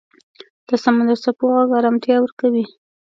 د سمندر څپو غږ آرامتیا ورکوي.